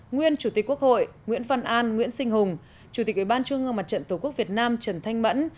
nguyên chủ tịch quốc hội nguyễn văn an nguyễn sinh hùng chủ tịch ủy ban trung ương mặt trận tổ quốc việt nam trần thanh mẫn